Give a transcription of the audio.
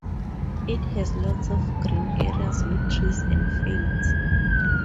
It has lots of green areas, with trees and fields.